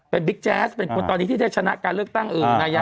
เป็นบิ๊กแจ๊สเป็นคนตอนนี้ที่ได้ชนะการเลือกตั้งอื่นนายก